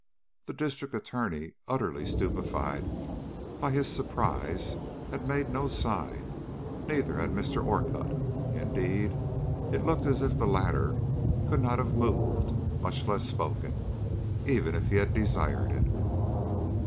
The District Attorney, utterly stupefied by his surprise, had made no sign; neither had Mr. Orcutt. Indeed, it looked as if the latter could not have moved, much less spoken, even if he had desired it.